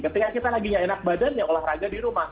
ketika kita lagi nggak enak badan ya olahraga di rumah